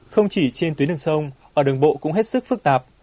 không chỉ trên tuyến đường sông ở đường bộ cũng hết sức phức tạp